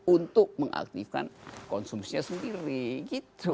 untuk mengaktifkan konsumsinya sendiri gitu